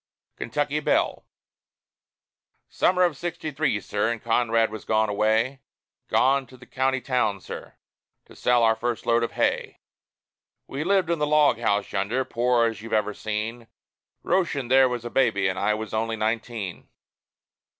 KENTUCKY BELLE Summer of 'sixty three, sir, and Conrad was gone away Gone to the county town, sir, to sell our first load of hay We lived in the log house yonder, poor as you've ever seen; Röschen there was a baby, and I was only nineteen.